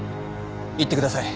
行ってください。